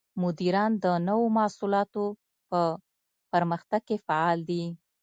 مدیران د نوو محصولاتو په پرمختګ کې فعال دي.